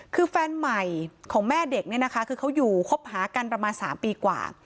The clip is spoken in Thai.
คือแฟนใหม่ของแม่เด็กเนี่ยนะคะคือเขาอยู่คบหากันประมาณ๓ปีกว่า